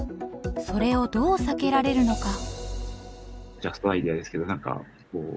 それをどう避けられるのか？